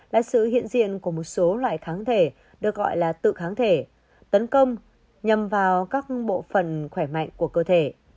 là sự hiện diện của một số loại kháng thể được gọi là tự kháng thể tấn công nhằm vào các bộ phần khỏe mạnh của cơ thể